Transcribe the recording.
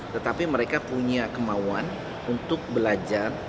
tetapi mereka punya kemauan untuk belajar